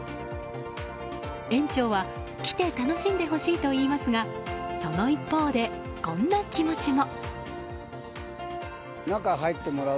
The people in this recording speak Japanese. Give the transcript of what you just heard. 園長は、来て楽しんでほしいと言いますがその一方でこんな気持ちも。